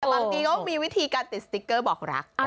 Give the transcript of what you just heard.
แต่บางทีก็มีวิธีการติดสติ๊กเกอร์บอกรัก